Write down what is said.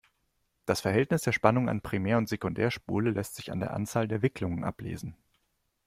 Das Verhältnis der Spannung an Primär- und Sekundärspule lässt sich an der Anzahl der Wicklungen ablesen.